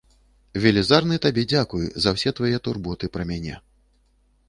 Велізарны табе дзякуй за ўсе твае турботы пра мяне.